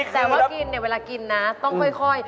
ใช่ค่ะแต่ก็กินในเวลากินนะต้องค่อย